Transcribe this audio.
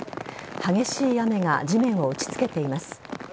激しい雨が地面を打ち付けています。